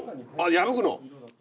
破くの。